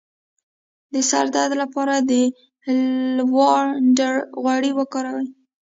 د سر درد لپاره د لیوانډر غوړي وکاروئ